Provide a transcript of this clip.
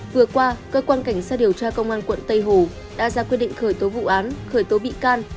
vừa qua cơ quan cảnh sát điều tra công an quận tây hồ đã ra quyết định khởi tố vụ án khởi tố bị can